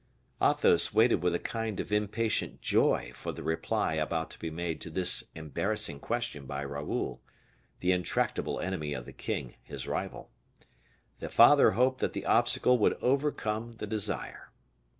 Athos waited with a kind of impatient joy for the reply about to be made to this embarrassing question by Raoul, the intractable enemy of the king, his rival. The father hoped that the obstacle would overcome the desire.